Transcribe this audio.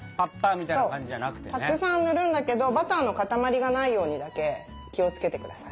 たくさん塗るんだけどバターの塊がないようにだけ気をつけてください。